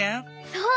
そう！